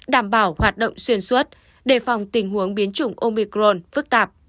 đảm bảo hoạt động xuyên suốt đề phòng tình huống biến chủng omicron phức tạp